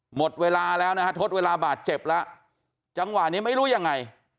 หมดเวลาแล้วนะฮะทดเวลาบาดเจ็บแล้วจังหวะนี้ไม่รู้ยังไง